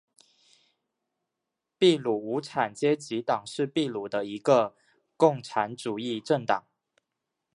秘鲁无产阶级党是秘鲁的一个共产主义政党。